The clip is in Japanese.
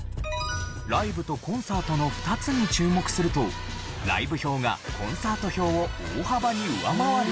ライブとコンサートの２つに注目するとライブ票がコンサート票を大幅に上回る結果に。